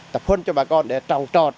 tập huấn cho bà con để trồng trọt